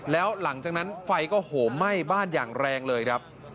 แล้วหลังจากนั้นไฟก็โหมไหม้บ้านอย่างแรงเลยครับ